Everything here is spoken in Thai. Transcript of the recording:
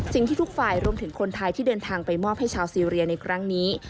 ทุกฝ่ายรวมถึงคนไทยที่เดินทางไปมอบให้ชาวซีเรียในครั้งนี้